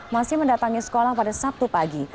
masih mendatangi sekolah pada sabtu pagi